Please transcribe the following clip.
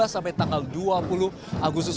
sampai tanggal dua puluh agustus